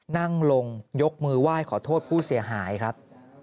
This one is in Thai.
นั่งลงยกมือไหว้ขอโทษผู้เสียหายครับ